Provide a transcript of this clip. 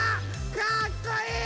かっこいい！